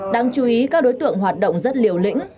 đáng chú ý các đối tượng hoạt động rất liều lĩnh